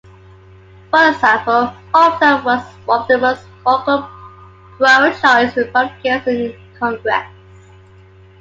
For example, Houghton was one of the most vocal pro-choice Republicans in Congress.